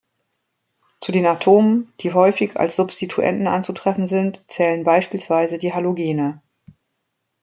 Zu den Atomen, die häufig als Substituenten anzutreffen sind, zählen beispielsweise die Halogene.